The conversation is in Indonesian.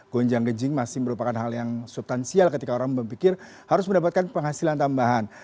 gonjang gejing masih merupakan hal yang subtansial ketika orang berpikir harus mendapatkan penghasilan tambahan